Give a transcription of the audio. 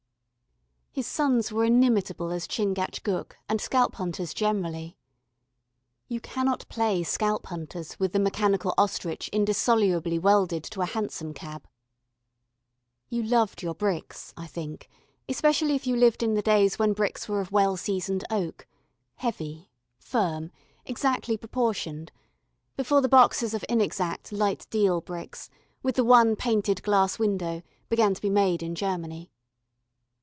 His sons were inimitable as Chingachgook and scalp hunters generally. You cannot play scalp hunters with the mechanical ostrich indissolubly welded to a hansom cab. [Illustration: STONEHENGE.] You loved your bricks, I think, especially if you lived in the days when bricks were of well seasoned oak, heavy, firm, exactly proportioned, before the boxes of inexact light deal bricks, with the one painted glass window, began to be made in Germany.